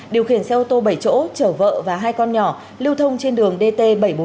điều khiển xe ô tô bảy chỗ chở vợ và hai con nhỏ lưu thông trên đường dt bảy trăm bốn mươi